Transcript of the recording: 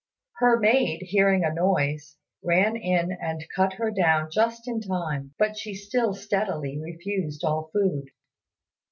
Her maid, hearing a noise, ran in and cut her down just in time: but she still steadily refused all food.